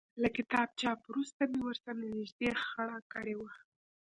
له کتاب چاپ وروسته مې ورسره نږدې خړه کړې وه.